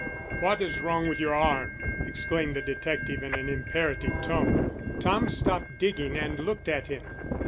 "What is wrong with your arm?" exclaimed the detective in an imperative tone. Tom stopped digging and looked at him.